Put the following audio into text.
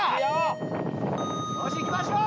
・よしいきましょう。